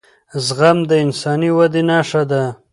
زغم د انساني ودې نښه ده